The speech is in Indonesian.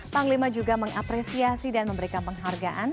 panglima juga mengapresiasi dan memberikan penghargaan